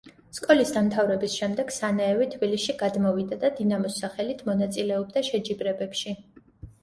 სკოლის დამთავრების შემდეგ სანეევი თბილისში გადმოვიდა და „დინამოს“ სახელით მონაწილეობდა შეჯიბრებებში.